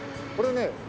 これね